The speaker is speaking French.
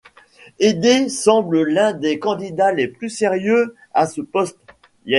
Eddé semble l'un des candidats les plus sérieux à ce poste.